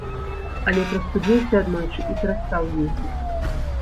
Але прастудзіўся аднойчы, і перастаў ездзіць.